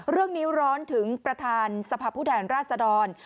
เรื่องนี้ร้อนถึงประธานสภาพผู้แทนราชดร